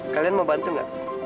kalian mau bantu gak